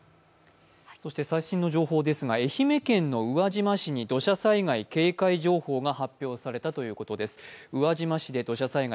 最新の情報ですが愛媛県の宇和島市に土砂災害警戒情報が発表されたということです。